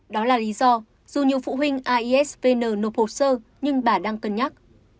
đó là lý do dù nhiều phụ huynh aisvn nộp hồ sơ nhưng bà đang cân nhắc